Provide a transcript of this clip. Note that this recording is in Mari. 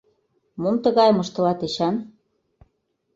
— Мом тыгайым ыштылат, Эчан?